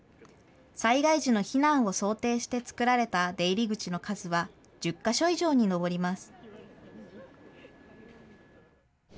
災害時の避難を想定して造られた出入り口の数は１０か所以上に上ります。